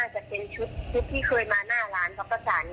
จอบรถคันนี้แต่เขาไม่บอกว่าเป็นใคร